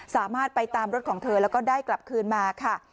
สามารถไปตามรถของเธอแล้วก็ได้กลับคืนมาค่ะ